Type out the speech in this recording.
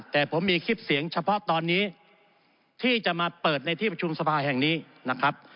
แต่ผมมีคลิปเสียงเฉพาะตอนนี้ที่จะมาเปิดในที่ประชุมสภาแห่งนี้นะครับ